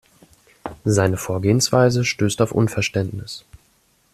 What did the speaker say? Seine Vorgehensweise stößt auf Unverständnis.